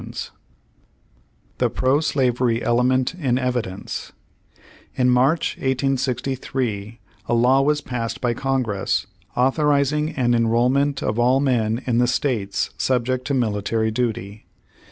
17 THE PEO SLAVEEY ELEMENT IN EVIDENCE In March 1863 a law was passed by Congress authorizing an enrollment of all men in the states subject to military duty.